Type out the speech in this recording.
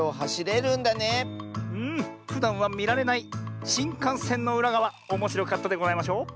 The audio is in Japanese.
うん。ふだんはみられないしんかんせんのうらがわおもしろかったでございましょ。